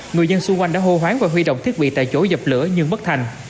người dân xung quanh đã hô hoáng và huy động thiết bị tại chỗ dập lửa nhưng bất thành